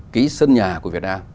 cái sân nhà của việt nam